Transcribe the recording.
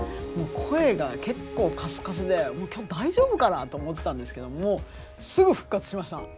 もう声が結構かすかすで今日大丈夫かなと思ってたんですけどもすぐ復活しました。